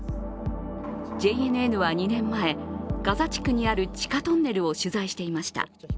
ＪＮＮは２年前、ガザ地区にある地下トンネルを取材していました。